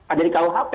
ada di kuhp